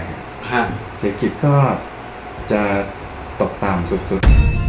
ฮะเสร็จกิจก็จะตกตามสุดสุด